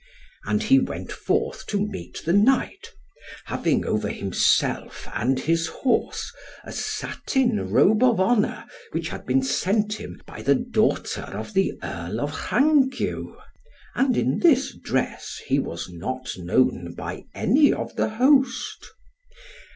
And he went forth to meet the Knight, having over himself and his horse, a satin robe of honour which had been sent him by the daughter of the Earl of Rhangyw, and in this dress he was not known by any of the host.